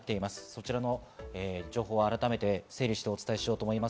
そちらの情報を改めて整理してお伝えします。